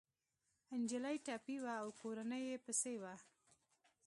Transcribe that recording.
انجلۍ ټپي وه او کورنۍ يې پسې وه